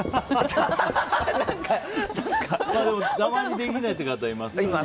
たまにできないって方いますからね。